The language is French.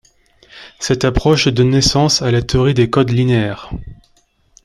Cette approche donne naissance à la théorie des codes linéaires.